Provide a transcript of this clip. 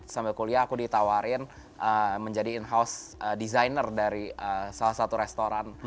sambil kuliah aku ditawarin menjadi in house designer dari salah satu restoran